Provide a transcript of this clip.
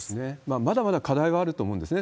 まだまだ課題はあると思うんですね。